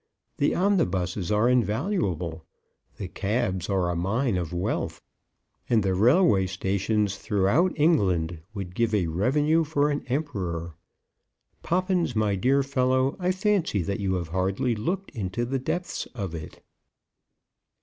The omnibuses are invaluable; the cabs are a mine of wealth; and the railway stations throughout England would give a revenue for an emperor. Poppins, my dear fellow, I fancy that you have hardly looked into the depths of it."